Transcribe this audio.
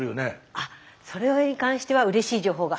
あそれに関してはうれしい情報が。